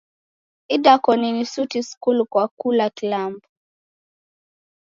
Idakoni ni suti skulu kwa kula kilambo!